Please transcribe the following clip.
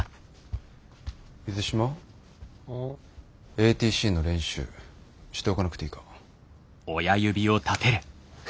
ＡＴＣの練習しておかなくていいか？